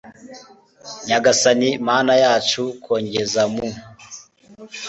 r/ nyagasani mana yacu kongeza mu